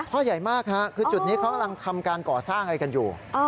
พ่อใหญ่มากฮะคือจุดนี้เขากำลังทำการก่อสร้างอะไรกันอยู่